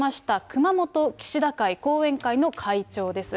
熊本岸田会後援会の会長です。